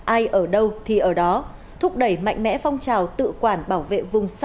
ai ở đâu thì ở đó thúc đẩy mạnh mẽ phong trào tự quản bảo vệ